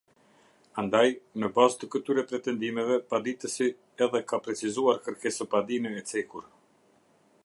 Andaj, në bazë të këtyre pretendimeve paditësi edhe ka precizuar kërkesëpadinë e cekur.